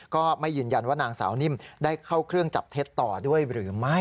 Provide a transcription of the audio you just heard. ก็ไม่ยืนยันว่านางสาวนิ่มได้เข้าเครื่องจับเท็จต่อด้วยหรือไม่